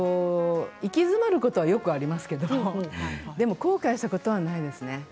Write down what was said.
行き詰まることはよくありますけれどでも後悔したことはないですね。